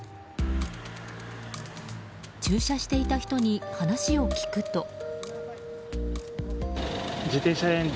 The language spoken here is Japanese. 駐車していた人に話を聞くと。